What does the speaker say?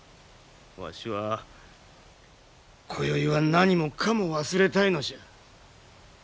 わしはこよいは何もかも忘れたいのじゃ！